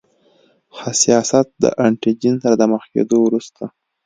حساسیت د انټي جېن سره د مخ کیدو وروسته.